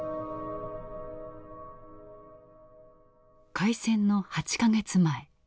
開戦の８か月前。